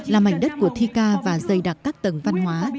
là mảnh đất của thi ca và dày đặc các tầng văn hóa